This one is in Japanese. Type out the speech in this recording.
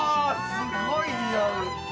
すごい似合う！